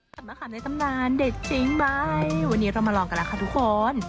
มะขามในตำนานเด็ดจริงไหมวันนี้เรามาลองกันแล้วค่ะทุกคน